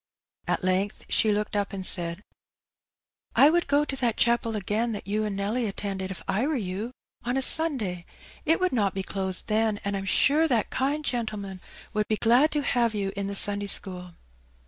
At length she looked up and said, ^^ I would go to that chapel again, that you and Nelly attended, if I were you, on a Sunday. It would not be closed then, and I'm sure that kind gentleman would be glad to have you in the Sunday school."